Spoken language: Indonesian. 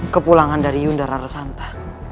kepulangan dari yunda rarasanta